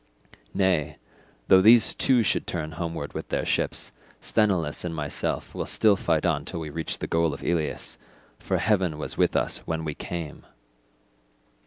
Nay though these too should turn homeward with their ships, Sthenelus and myself will still fight on till we reach the goal of Ilius, for heaven was with us when we came."